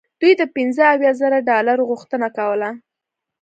دوی د پنځه اویا زره ډالرو غوښتنه کوله.